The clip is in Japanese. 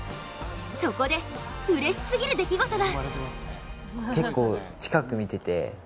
そこで、うれしすぎる出来事が。